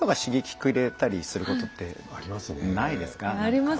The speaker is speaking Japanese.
あります。